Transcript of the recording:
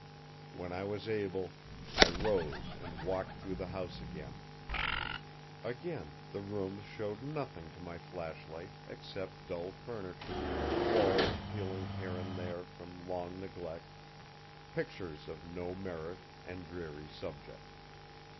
When I was able, I rose and walked through the house again. Again the rooms showed nothing to my flashlight except dull furniture, walls peeling here and there from long neglect, pictures of no merit and dreary subject.